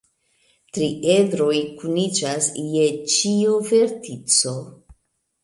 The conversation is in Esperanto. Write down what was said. Tri edroj kuniĝas je ĉiu vertico.